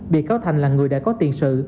bị cáo thành là người đã có tiền sự